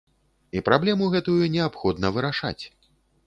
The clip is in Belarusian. І праблему гэтую неабходна вырашаць.